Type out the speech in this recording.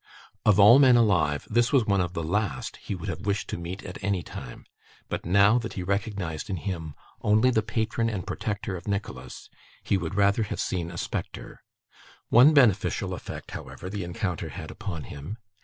Of all men alive, this was one of the last he would have wished to meet at any time; but, now that he recognised in him only the patron and protector of Nicholas, he would rather have seen a spectre. One beneficial effect, however, the encounter had upon him.